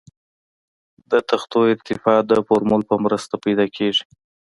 د تختو ارتفاع د فورمول په مرسته پیدا کیږي